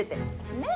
ねえ？